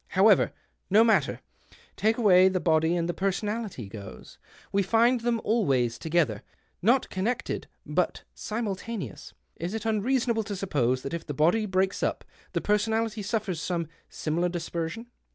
However, no matter ! Take away the liody and the personality goes. We find them always together — not con nected, but simultaneous. Is it unreasonable to suppose that if the body breaks up the personality suffers some similar dispersion